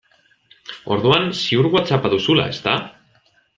Orduan ziur Whatsapp-a duzula, ezta?